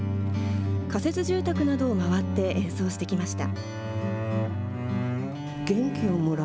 仮設住宅などを回って演奏してきました。